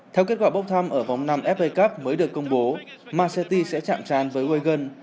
theo kết quả bốc thăm ở vòng năm fa cup mới được công bố man utd sẽ chạm tràn với wigan